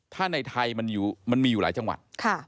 ถ้าในไทยมันมีอยู่หลายจังหวัด